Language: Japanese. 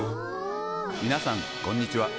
みなさんこんにちは。